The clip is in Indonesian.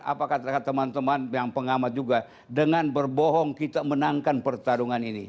apa katakan teman teman yang pengamat juga dengan berbohong kita menangkan pertarungan ini